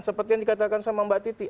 seperti yang dikatakan sama mbak titi